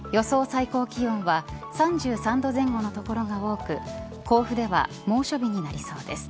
最高気温は３３度前後の所が多く甲府では猛暑日になりそうです。